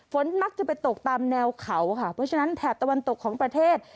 ฝนมักจะไปตกตามแนวเขาค่ะเพราะฉะนั้นแถบตะวันตกของประเทศ